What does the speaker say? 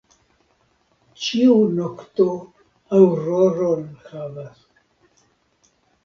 Ĉiu nokto aŭroron havas.